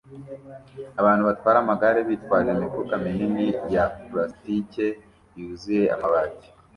Abantu batwara amagare bitwaje imifuka minini ya pulasitike yuzuye amabati